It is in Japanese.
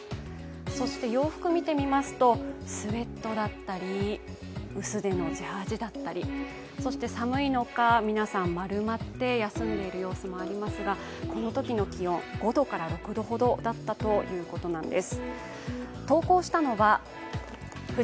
そして、洋服見てみますとスエットだったり薄手のジャージーだったり、寒いのか皆さん丸まって休んでいる様子もありますがこのときの気温５度から６度ほどだったということなんです。